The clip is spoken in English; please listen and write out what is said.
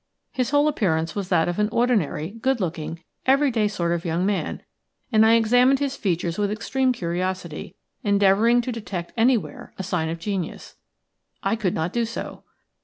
His whole appearance was that of an ordinary, good looking, everyday sort of young man, and I examined his features with extreme curiosity, endeavouring to detect anywhere a sign of genius. I could not do so.